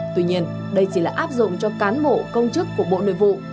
tuy nhiên đây chỉ là áp dụng cho cán bộ công chức của bộ nội vụ